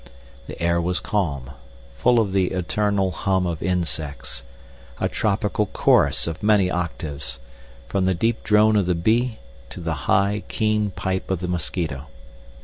The air was calm, full of the eternal hum of insects, a tropical chorus of many octaves, from the deep drone of the bee to the high, keen pipe of the mosquito.